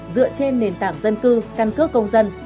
dựa trên nền tảng dân cư căn cước công dân